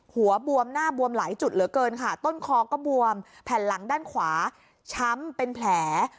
หัวบวมหน้าบวมหลายจุดเหลือเกินค่ะต้นคอก็บวมแผ่นหลังด้านขวาช้ำเป็นแผล